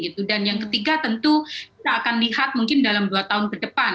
kita akan lihat mungkin dalam dua tahun ke depan